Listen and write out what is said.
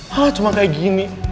hah cuma kayak gini